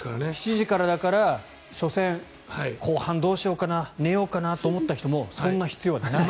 ７時からだから初戦、後半どうしようかなと思った人もそんな必要はない。